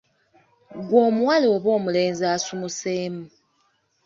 Ggwe omuwala oba omulenzi asuumuseemu.